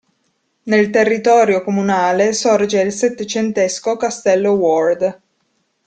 Nel territorio comunale sorge il settecentesco castello Ward.